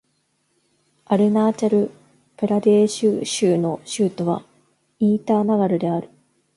アルナーチャル・プラデーシュ州の州都はイーターナガルである